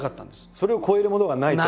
それを超えるものがないと。